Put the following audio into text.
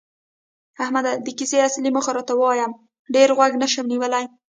احمده! د کیسې اصلي موخه راته وایه، ډېر غوږ نشم نیولی.